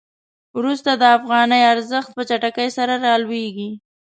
وروسته د افغانۍ ارزښت په چټکۍ سره رالویږي.